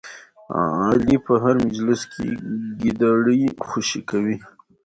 علي په هر مجلس کې ګیدړې خوشې کوي.